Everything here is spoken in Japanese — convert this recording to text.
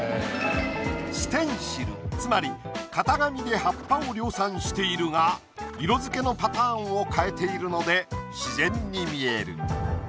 ステンシルつまり型紙で葉っぱを量産しているが色付けのパターンを変えているので自然に見える。